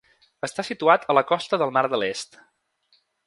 Està situat a la costa del mar de l'Est.